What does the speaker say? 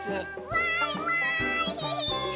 わいわい！